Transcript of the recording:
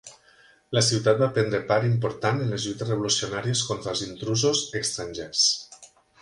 La ciutat va prendre part important en les lluites revolucionàries contra els intrusos estrangers.